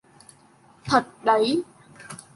Thật đấy